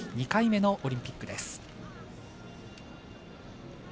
２回目のオリンピックです。